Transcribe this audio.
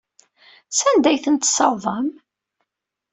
Sanda ay ten-tessawḍem?